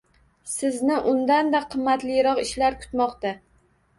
Sizni undanda qimmatliroq ishlar kutmoqda